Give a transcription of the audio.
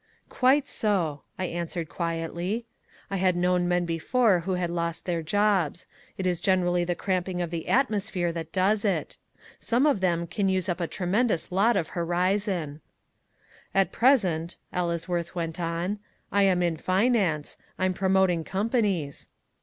"Quite so," I answered quietly. I had known men before who had lost their jobs. It is generally the cramping of the atmosphere that does it. Some of them can use up a tremendous lot of horizon. "At present," Ellesworth went on, "I am in finance. I'm promoting companies."